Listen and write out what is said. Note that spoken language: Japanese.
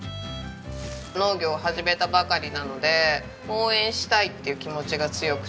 農業を始めたばかりなので応援したいっていう気持ちが強くて。